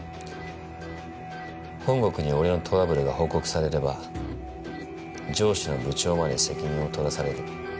本国に俺のトラブルが報告されれば上司の部長まで責任を取らされる。